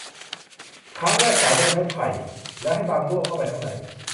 ครั้งแรกสานด้วยไม้ไผ่ แล้วให้บ่างลั่วเข้าไปข้างใน